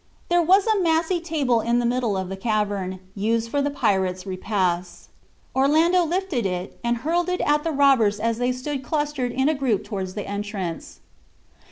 There was a massy table in the middle of the cavern, used for the pirates' repasts. Orlando lifted it and hurled it at the robbers as they stood clustered in a group toward the entrance.